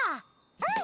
うん。